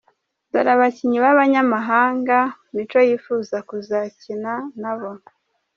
Dore abakinnyi b’abanyamahanga Micho yifuza kuzakina nabo:.